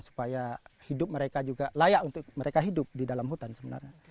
supaya hidup mereka juga layak untuk mereka hidup di dalam hutan sebenarnya